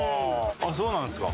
そうなんですか。